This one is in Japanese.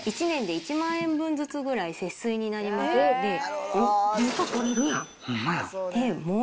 １年で１万円分ずつくらい節水になりますんで。